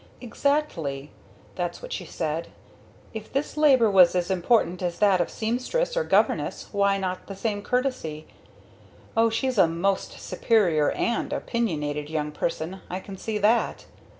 "Exactly." That's what she said. "If this labor was as important as that of seamstress or governess why not the same courtesy Oh she's a most superior and opinionated young person, I can see that."